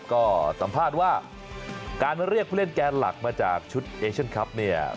ก็สัมภาษณ์ว่าการเรียกผู้เล่นแกนหลักมาจากชุดเอเชียนคลับเนี่ย